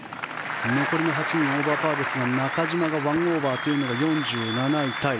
残り８人はオーバーパーですが中島の１オーバーというのが４７位タイ。